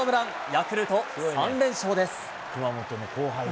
ヤクルト、３連勝です。